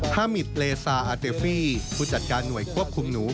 ฮามิตเลซาอาเตฟี่ผู้จัดการหน่วยควบคุมหนู